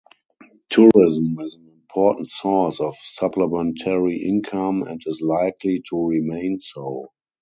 Tourism is an important source of supplementary income and is likely to remain so.